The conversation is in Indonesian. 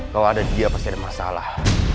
kalau ada dia pasti ada masalah